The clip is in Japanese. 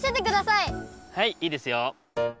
はいいいですよ。